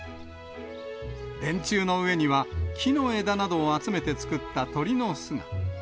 電柱の上には木の枝などを集めて作った鳥の巣が。